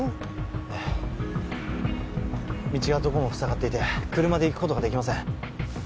ええ道がどこもふさがっていて車で行くことができません